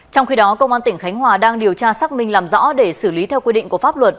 trong khi đó công an tỉnh khánh hòa đang điều tra xác minh làm rõ để xử lý theo quy định của pháp luật